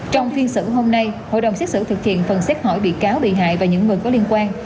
trong phiên xử hôm nay hội đồng xét xử thực hiện phần xét hỏi bị cáo bị hại và những người có liên quan